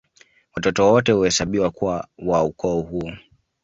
Watoto wote huhesabiwa kuwa wa ukoo huo